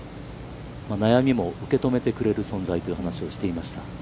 悩みも受けとめてくれる存在という話をしていました。